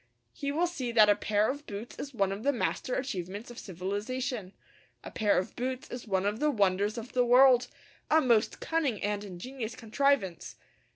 He will see that a pair of boots is one of the master achievements of civilization. A pair of boots is one of the wonders of the world, a most cunning and ingenious contrivance.